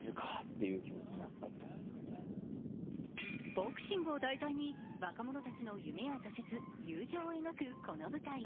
ボクシングを題材に若者たちの夢や挫折、友情を描くこの舞台。